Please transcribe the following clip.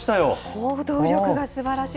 行動力がすばらしい。